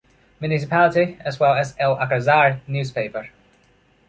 Municipality, as well as El Alcázar newspaper.